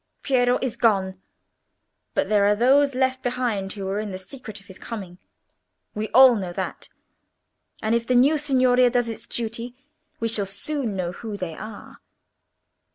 "Piero is gone, but there are those left behind who were in the secret of his coming—we all know that; and if the new Signoria does its duty we shall soon know who they are."